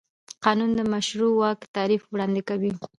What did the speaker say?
قانون د مشروع واک تعریف وړاندې کوي.